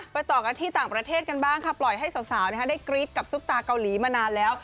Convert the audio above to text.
ต่อกันที่ต่างประเทศกันบ้างค่ะปล่อยให้สาวได้กรี๊ดกับซุปตาเกาหลีมานานแล้ว